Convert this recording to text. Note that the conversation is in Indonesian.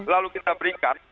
lalu kita berikan